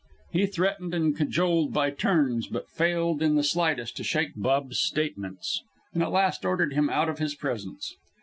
He threatened and cajoled by turns, but failed in the slightest to shake Bub's statements, and at last ordered him out of his presence.